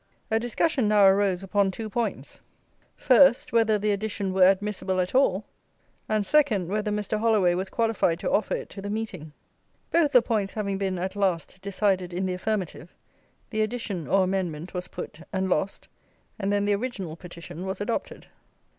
A discussion now arose upon two points: first, whether the addition were admissible at all! and, second, whether Mr. Holloway was qualified to offer it to the Meeting. Both the points having been, at last, decided in the affirmative, the addition, or amendment, was put, and lost; and then the original petition was adopted.